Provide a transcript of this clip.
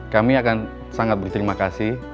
kami akan sangat berterima kasih